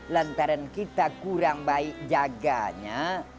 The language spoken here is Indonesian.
lantaran kita kurang baik jaganya